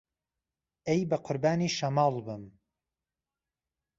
ئهی به قوربانی شهماڵ بم